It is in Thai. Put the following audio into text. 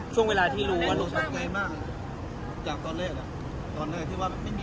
ช่วงเวลาที่รู้ว่าลูกชายถูกใจ